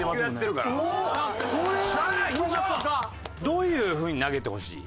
どういうふうに投げてほしい？